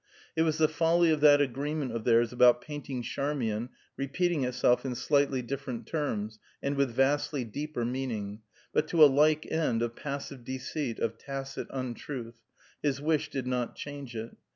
It was the folly of that agreement of theirs about painting Charmian repeating itself in slightly different terms, and with vastly deeper meaning, but to a like end of passive deceit, of tacit untruth; his wish did not change it.